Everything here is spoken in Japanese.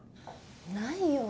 ないよ。